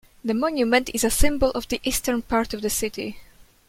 The monument is a symbol of the eastern part of the city.